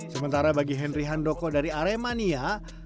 sementara bagi henry handoko dari aremania